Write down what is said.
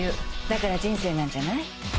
だから人生なんじゃない？